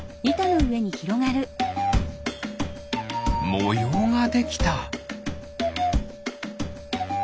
もようができた。